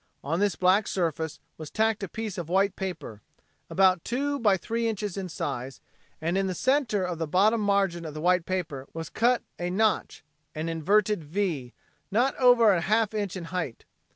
On this black surface was tacked a piece of white paper, about two by three inches in size, and in the center of the bottom margin of the white paper was cut a notch an inverted "V," not over a half inch in height.